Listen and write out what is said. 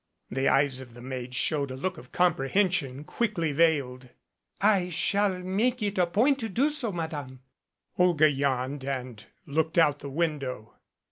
The eyes of the maid showed a look of comprehension, quickly veiled. "I shall make it a point to do so, Madame." Olga yawned and looked out of the window.